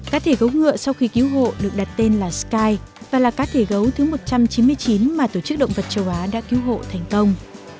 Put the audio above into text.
cá thể gấu ngựa sau khi cứu hộ được đặt tên là sky và là cá thể gấu thứ một trăm chín mươi chín mà tổ chức động vật châu á đã cứu hộ thành công